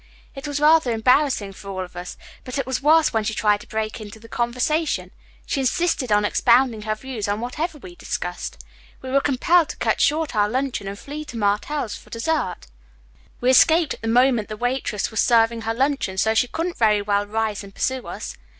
It was rather embarrassing for all of us, but it was worse when she tried to break into the conversation. She insisted on expounding her views on whatever we discussed. We were compelled to cut short our luncheon and flee to Martell's for our dessert. We escaped at the moment the waitress was serving her luncheon, so she couldn't very well rise and pursue us.